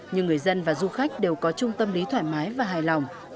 nhưng người dân và du khách đều có trung tâm lý thoải mái và hài lòng